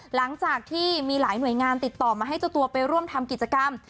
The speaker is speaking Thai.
หลังจากที่มีหลายหน่วยงานติดต่อมาให้เจ้าตัวไปร่วมทำกิจกรรม